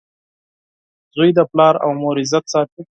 • زوی د پلار او مور عزت ساتي.